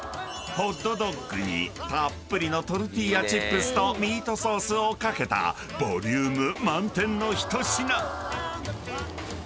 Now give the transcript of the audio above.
［ホットドッグにたっぷりのトルティーヤチップスとミートソースを掛けたボリューム満点の一品！］